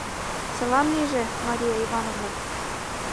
Салам лийже, Мария Ивановна.